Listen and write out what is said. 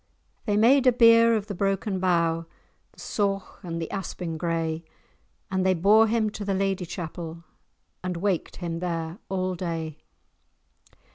They made a bier of the broken bough, The sauch and the aspin gray, And they bore him to the Lady Chapel, And waked him there all day.